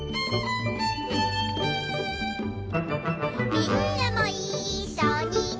「みんなもいっしょにね」